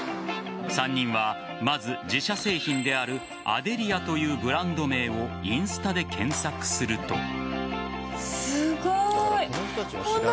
３人はまず自社製品であるアデリアというブランド名をインスタで検索すると。